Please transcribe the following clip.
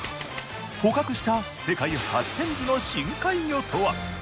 捕獲した世界初展示の深海魚とは？